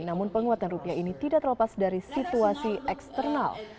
namun penguatan rupiah ini tidak terlepas dari situasi eksternal